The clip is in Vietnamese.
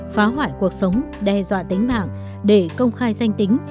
phá hoại cuộc sống đe dọa tính mạng để công khai danh tính